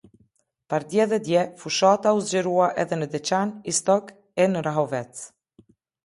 Pardje dhe dje fushata u zgjerua edhe në Deçan, Istog e në Rahovec.